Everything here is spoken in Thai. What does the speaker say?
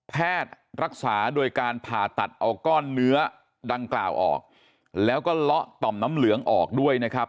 แพทย์รักษาโดยการผ่าตัดเอาก้อนเนื้อดังกล่าวออกแล้วก็เลาะต่อมน้ำเหลืองออกด้วยนะครับ